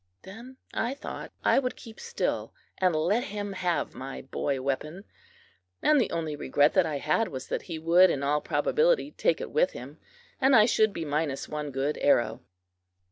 Then I thought I would keep still and let him have my boy weapon; and the only regret that I had was that he would, in all probability, take it with him, and I should be minus one good arrow.